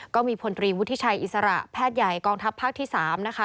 ก็มีพลตรีวุฒิชัยอิสระแพทย์ใหญ่กองทัพภาคที่๓นะคะ